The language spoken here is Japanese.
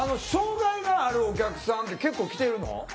障害があるお客さんって結構来てるの？